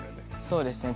そうですね。